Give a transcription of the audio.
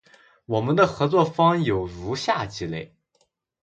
我们的合作方有如下几类：